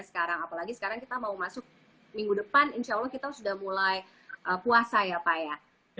sekarang apalagi sekarang kita mau masuk minggu depan insya allah kita sudah mulai puasa ya pak ya